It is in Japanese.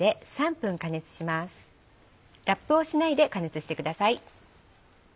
ラップをしないで加熱してください。